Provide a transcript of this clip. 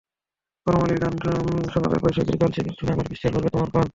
করমালির গান শোনাবে বৈশাখেরই গানসে গান শুনে আমার বিশ্বাস ভরবে তোমার প্রাণ।